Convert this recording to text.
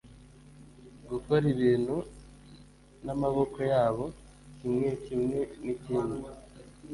gukora ibintu n'amaboko yabo, kimwe kimwe nikindi,